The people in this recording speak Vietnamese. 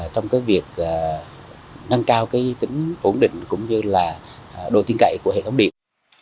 trong việc nâng cao tính ổn định cũng như độ tiên cậy của hệ thống điện